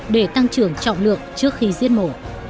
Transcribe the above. để tăng trưởng trọng lượng trước khi diễn mổ